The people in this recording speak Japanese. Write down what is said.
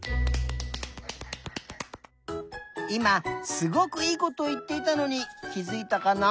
いますごくいいことをいっていたのにきづいたかな？